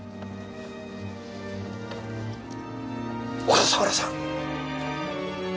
小笠原さん！